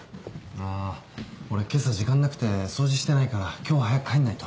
あ俺けさ時間なくて掃除してないから今日は早く帰んないと。